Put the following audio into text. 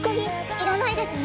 いらないですね。